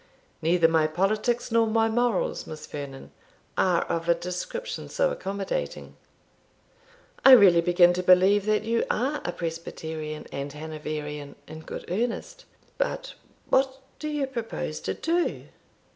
"Neither my politics nor my morals, Miss Vernon, are of a description so accommodating." "I really begin to believe that you are a Presbyterian and Hanoverian in good earnest. But what do you propose to do?"